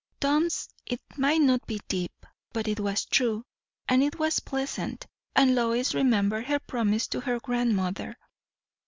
Tom's it might not be deep, but it was true, and it was pleasant; and Lois remembered her promise to her grandmother.